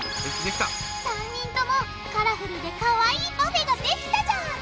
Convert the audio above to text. ３人ともカラフルでかわいいパフェができたじゃん！